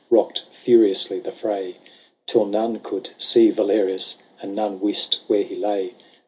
Rocked furiously the fray. Till none could see Valerius, And none wist where he lay.